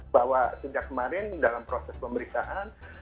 bahwa sejak kemarin dalam proses pemeriksaan